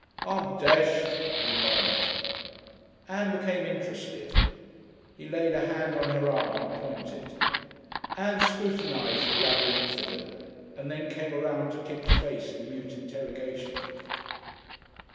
"I'm deshed," he murmured. Ann became interested. He laid a hand on her arm and pointed. Ann scrutinised the Labyrinthodon and then came around to Kipps' face in mute interrogation.